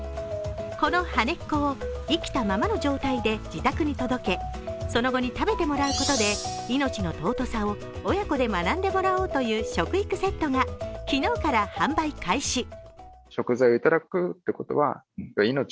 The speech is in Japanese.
このはねっ娘を生きたままの状態で自宅に届けその後に食べてもらうことで命の尊さを親子で学んでもらおうという食育セットが昨日から販売開始。